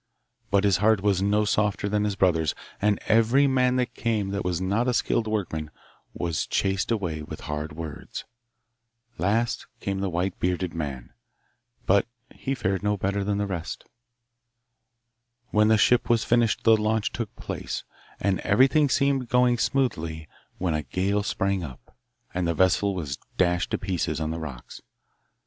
But his heart was no softer than his brother's, and every man that was not a skilled workman was chased away with hard words. Last came the white bearded man, but he fared no better than the rest. When the ship was finished the launch took place, and everything seemed going smoothly when a gale sprang up, and the vessel was dashed to pieces on the rocks.